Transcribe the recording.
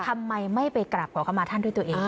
ทำไมไม่ไปกราบขอเข้ามาท่านด้วยตัวเอง